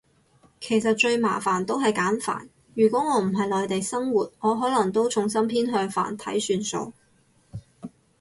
其實最麻煩都係簡繁，如果我唔係内地生活，我可能都重心偏向繁體算數